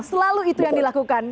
selalu itu yang dilakukan